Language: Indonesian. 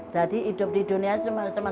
jadi hidup di dunia sementara